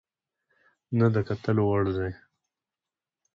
نه د کتلو وړ دى،